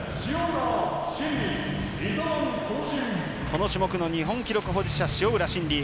この種目の日本記録保持者、塩浦慎理。